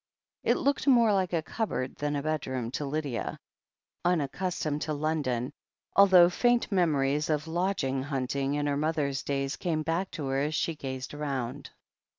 It looked more like a cupboard than a bedroom to Lydia, unaccustomed to London, although faint mem ories of lodging hunting in her mother's days came back to her as she gazed round.